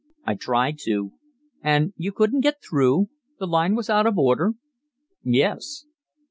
"I tried to." "And you couldn't get through? The line was out of order?" "Yes."